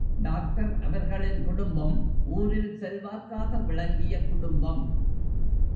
Doctor அவர்களின் குடும்பம் ஊரில் செல்வாக்காக விளங்கிய குடும்பம்.